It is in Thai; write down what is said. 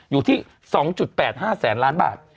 อยู่ที่๒๘๕แสนล้านบาท